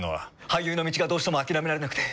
俳優の道がどうしても諦められなくて。